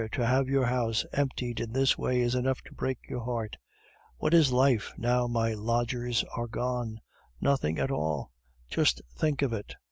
to have your house emptied in this way is enough to break your heart. What is life, now my lodgers are gone? Nothing at all. Just think of it!